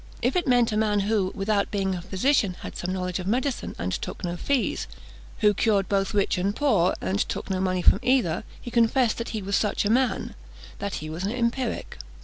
If it meant a man who, without being a physician, had some knowledge of medicine, and took no fees who cured both rich and poor, and took no money from either, he confessed that he was such a man, that he was an empiric.